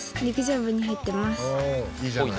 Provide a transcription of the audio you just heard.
いいじゃない。